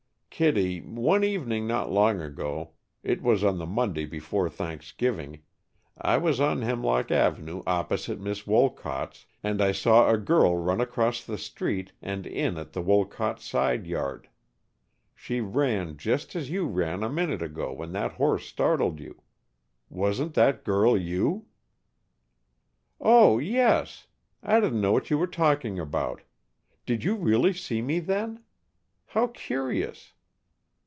"Kittie, one evening not long ago it was on the Monday before Thanksgiving I was on Hemlock Avenue opposite Miss Wolcott's, and I saw a girl run across the street, and in at the Wolcotts' side yard. She ran just as you ran a minute ago when that horse startled you. Wasn't that girl you?" "Oh, yes! I didn't know what you were talking about. Did you really see me then? How curious!